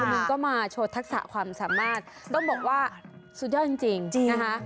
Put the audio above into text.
หนึ่งก็มาโชว์ทักษะความสามารถต้องบอกว่าสุดยอดจริงนะคะ